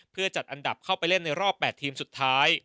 เพื่อจัดอันดับเข้าไปเล่นในรอบ๘ทีมสุดท้าย